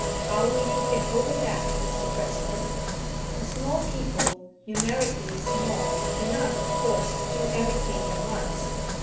How will you get over that, Mr President?" A small people, numerically small, cannot of course do everything at once.